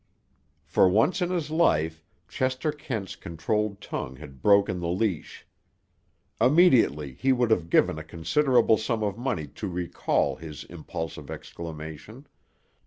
For once in his life, Chester Kent's controlled tongue had broken the leash. Immediately he would have given a considerable sum of money to recall his impulsive exclamation.